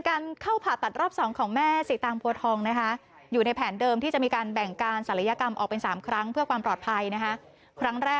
ฉันปอบเข้าห้องผ่าตัดต่อไม่รอแล้วนะครับทุกแม่